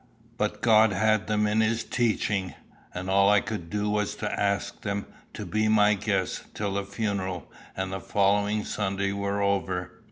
But God had them in his teaching, and all I could do was to ask them to be my guests till the funeral and the following Sunday were over.